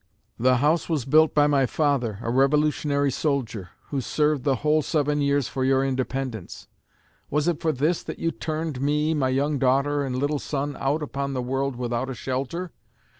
The house was built by my father, a Revolutionary soldier, who served the whole seven years for your independence.... Was it for this that you turned me, my young daughter and little son out upon the world without a shelter?